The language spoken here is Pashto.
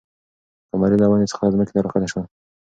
قمري له ونې څخه ځمکې ته راښکته شوه.